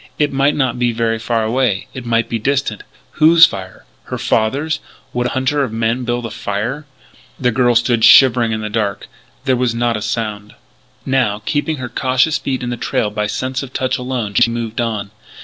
It might not be very far away; it might be distant. Whose fire? Her father's? Would a hunter of men build a fire? The girl stood shivering in the darkness. There was not a sound. Now, keeping her cautious feet in the trail by sense of touch alone, she moved on.